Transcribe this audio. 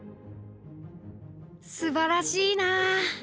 「すばらしいなあ」。